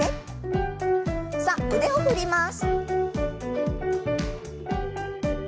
さあ腕を振ります。